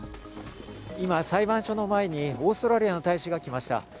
今、裁判所の前にオーストラリアの大使が来ました。